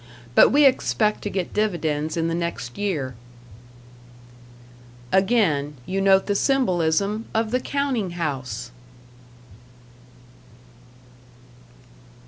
But we expect to get dividends in the next year." Again you note the symbolism of the counting house!